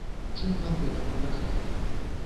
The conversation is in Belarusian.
Чым нам гэта пагражае?